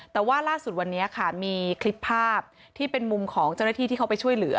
แต่ว่าล่าสุดวันนี้ค่ะมีคลิปภาพที่เป็นมุมของเจ้าหน้าที่ที่เขาไปช่วยเหลือ